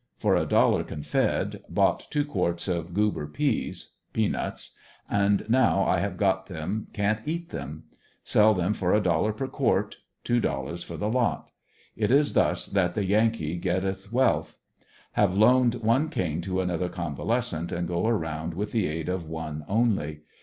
For a dollar, Confed., bought two quarts of guber peas (pea nuts), and now I have got them can't eat them . Sell them for a dollar per quart — two dollars for the lot. It is thus that the Yankee get teth wealth. Have loaned one cane to another convalescent and go around with the aid of one only.